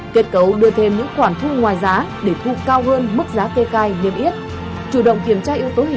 kết cấu đưa thêm những quản thu ngoài giá để thu cao hơn mức giá kê cai nghiêm yết